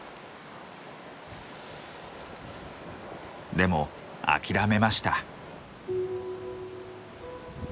でも諦めました。